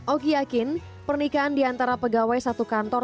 oki yakin pernikahan diantara pegawai satu kantor